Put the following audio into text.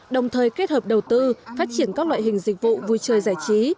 đồng thời kết hợp đầu tư phát triển các loại hình dịch vụ vui chơi giải trí